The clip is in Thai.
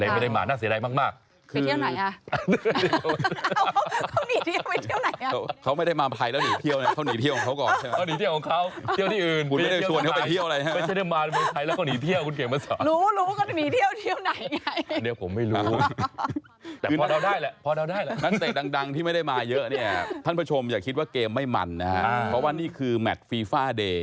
คิดว่าเกมไม่มันนะครับเพราะว่านี่คือแมทฟีฟ้าเดย์